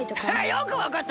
よくわかったな。